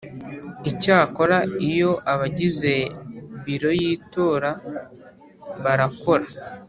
Icyakora iyo abagize biro y itora barakora